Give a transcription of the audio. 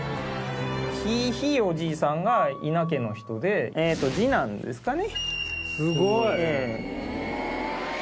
ひいひいおじいさんが伊奈家の人で次男ですかね。